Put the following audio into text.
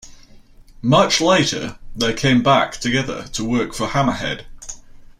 Much later, they came back together to work for Hammerhead.